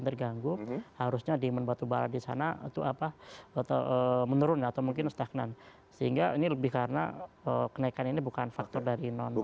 karena ini mungkin terganggu harusnya di men batu bara disana itu apa atau menurun atau mungkin stagnan sehingga ini lebih karena kenaikan ini bukan faktor dari non